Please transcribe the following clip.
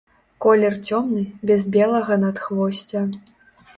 Колер цёмны, без белага надхвосця.